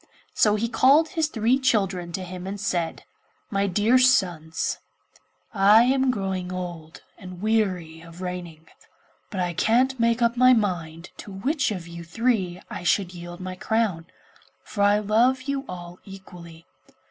So he called his three children to him and said, 'My dear sons, I am growing old, and am weary of reigning, but I can't make up my mind to which of you three I should yield my crown, for I love you all equally.